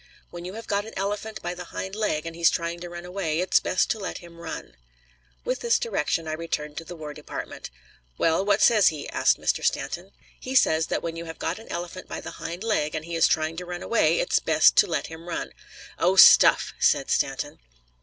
When you have got an elephant by the hind leg, and he's trying to run away, it's best to let him run." With this direction, I returned to the War Department. "Well, what says he?" asked Mr. Stanton. "He says that when you have got an elephant by the hind leg, and he is trying to run away, it's best to let him run." "Oh, stuff!" said Stanton.